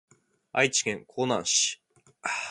愛知県江南市